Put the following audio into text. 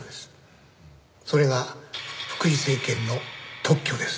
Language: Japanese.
それが福井精研の特許です。